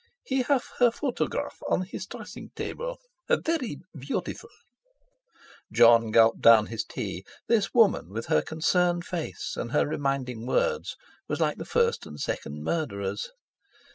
"He have her photograph on his dressing table. Veree beautiful" Jon gulped down his tea. This woman, with her concerned face and her reminding words, was like the first and second murderers.